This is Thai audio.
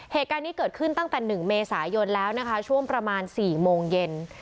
เหตุการณ์นี้เกิดขึ้นตั้งแต่๑เมษายนแล้วนะคะช่วงประมาณ๔โมงเย็น